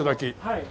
はい。